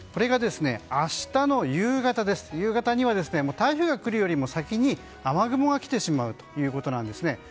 明日の夕方には台風が来るよりも先に雨雲が来てしまうということです。